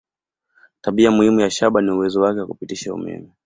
Tabia muhimu ya shaba ni uwezo wake wa kupitisha umeme.